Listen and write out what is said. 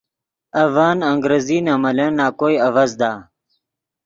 اڤن انگریزی نے ملن نَکوئے اڤزدا۔